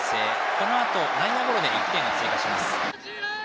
このあと内野ゴロで１点を追加します。